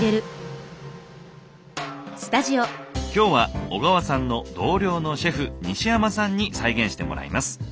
今日は小川さんの同僚のシェフ西山さんに再現してもらいます。